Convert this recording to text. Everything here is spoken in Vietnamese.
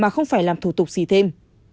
mà không phải làm thủ tục gì thêm